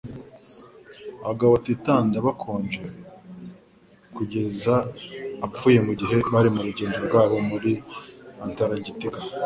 Abagabo batitonda bakonje kugeza apfuye mugihe bari mu rugendo rwabo muri Antaragitika.